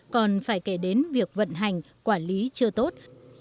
còn phải kể đến việc vận hành quản lý chưa tốt